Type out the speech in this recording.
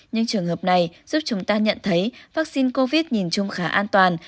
nhưng trường hợp này giúp chúng ta nhận thấy vaccine covid nhìn chung khá an toàn